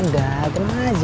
ada tenang aja